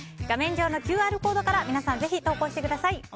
画面上のＱＲコードからぜひ投稿してください。